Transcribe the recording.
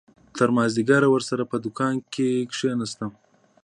تر مازديگره ورسره په دوکان کښې کښېناستم.